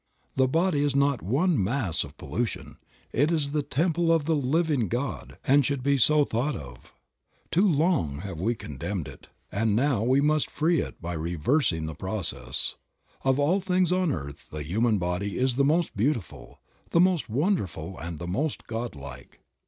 The body is not one "mass of pollution," it is the temple of the living God and should be so thought of. Too long have we condemned it, and 48 Creative Mind. now we must free it by reversing the process. Of all things on earth the human body is the most beautiful, the most wonderful and the most God like.